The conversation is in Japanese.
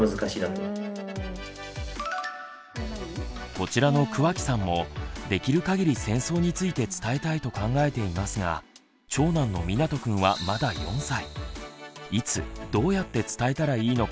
こちらの桑木さんもできるかぎり戦争について伝えたいと考えていますが長男のみなとくんはまだ４歳。